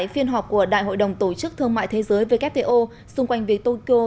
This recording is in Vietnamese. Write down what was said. phiên họp của đại hội đồng tổ chức thương mại thế giới vkto xung quanh về tokyo